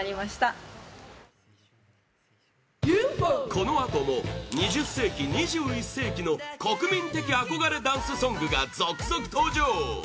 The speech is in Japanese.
このあとも２０世紀、２１世紀の国民的憧れダンスソングが続々登場！